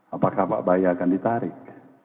apakah pak baya akan ditarik